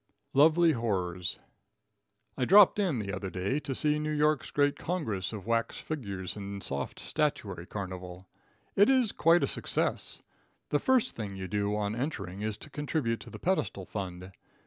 Lovely Horrors. I dropped in the other day to see New York's great congress of wax figures and soft statuary carnival. It is quite a success. The first thing you do on entering is to contribute to the pedestal fund.